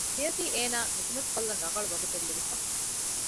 މިއޮތީ އޭނާ ނިކަމެތިކޮށްލަން ރަނގަޅު ވަގުތެއް ލިބިފަ